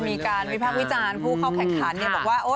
มีการวิพากษ์วิจารณ์ผู้เข้าแข่งขันบอกว่า